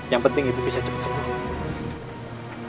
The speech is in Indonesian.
yang penting ibu bisa cepat cepat